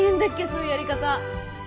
そういうやり方